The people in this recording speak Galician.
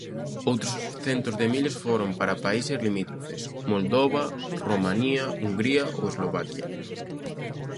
Outros centos de miles foron para países limítrofes: Moldova, Romanía, Hungría ou Eslovaquia.